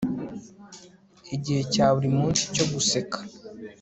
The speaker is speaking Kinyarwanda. igihe cya buri munsi cyo guseka